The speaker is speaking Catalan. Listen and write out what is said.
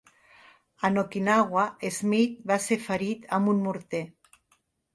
En Okinawa, Smith va ser ferit amb un morter.